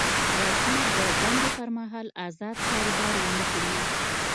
وکیل د دندې پر مهال ازاد کاروبار ونه کړي.